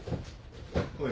おい。